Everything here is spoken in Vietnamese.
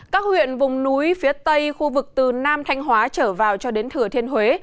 các huyện vùng núi phía tây khu vực từ nam thanh hóa trở vào cho đến thừa thiên huế